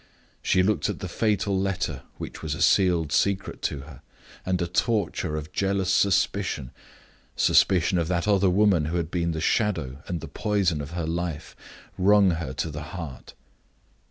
She looked at the fatal letter which was a sealed secret to her, and a torture of jealous suspicion suspicion of that other woman who had been the shadow and the poison of her life wrung her to the heart.